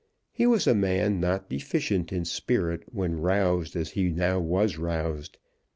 He was a man not deficient in spirit when roused as he now was roused.